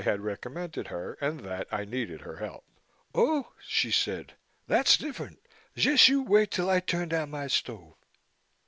had recommended her and that I needed her help. "Oh," she said. "Tha's differ'nt. Jest you wait till I turn down my stove."